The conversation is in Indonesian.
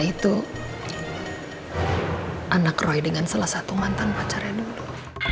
itu anak roy dengan salah satu mantan pacarnya dulu